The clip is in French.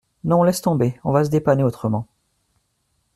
Non, laisse tomber, on va se dépanner autrement.